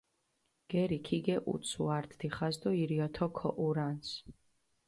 გერი ქიგეჸუცუ ართ დიხას დო ირიათო ქოჸურანს.